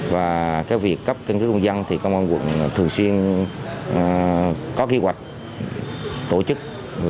và cái việc cấp căn cứ công dân thì công an quận thường xuyên có kế hoạch tổ chức